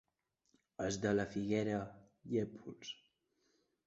Els de la Figuera, llépols.